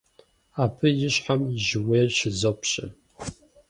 Абы и щхьэм жьыуейр щызопщэ.